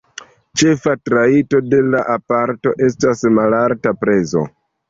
Ĉefa trajto de la aparato estas malalta prezo.